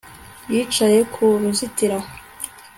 Yicaye ku ruzitiro